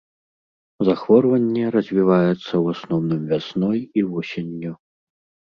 Захворванне развіваецца ў асноўным вясной і восенню.